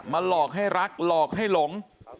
หลอกให้รักหลอกให้หลง